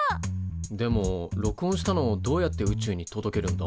でも録音したのをどうやって宇宙に届けるんだ？